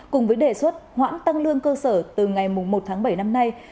cùng với đề xuất hoãn tăng lương cơ sở từ ngày một tháng bảy năm nay